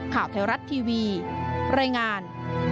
ข่าวไทยรัฐทีวีรายงาน